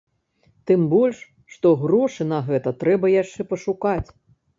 Тым больш, што грошы на гэта трэба яшчэ пашукаць.